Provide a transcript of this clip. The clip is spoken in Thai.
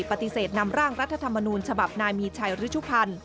ปฏิเสธนำร่างรัฐธรรมนูญฉบับนายมีชัยฤชุพันธ์